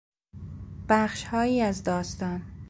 بخشهایی از داستان